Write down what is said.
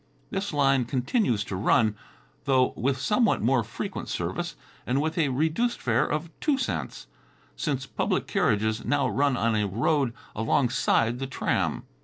This line continues to run, though with somewhat more frequent service and with a reduced fare of two cents, since public carriages now run on a road alongside the tram.